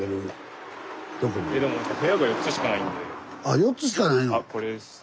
あ４つしかないの？